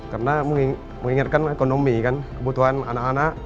karena mengingatkan ekonomi kan kebutuhan anak anak